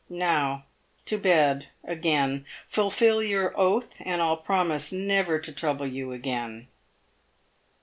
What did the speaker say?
Now to bed again. Fulfil your oath, and I'll promise never to trouble you again."